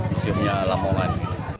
museumnya alam oman